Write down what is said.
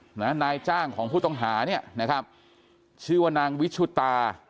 นายจ้างของผู้ต้องหาเนี่ยนะครับชื่อว่านางวิชุตา